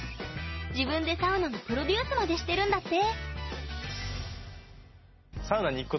自分でサウナのプロデュースまでしてるんだって。